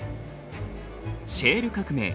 シェール革命